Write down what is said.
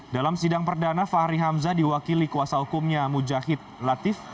dalam sidang perdana fahri hamzah diwakili kuasa hukumnya mujahid latif